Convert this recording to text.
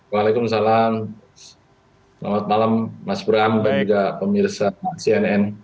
waalaikumsalam selamat malam mas bram dan juga pemirsa cnn